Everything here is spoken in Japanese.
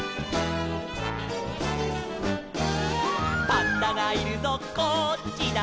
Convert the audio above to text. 「パンダがいるぞこっちだ」